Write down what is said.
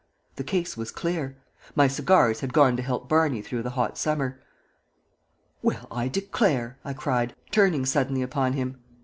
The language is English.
The case was clear. My cigars had gone to help Barney through the hot summer. "Well, I declare!" I cried, turning suddenly upon him.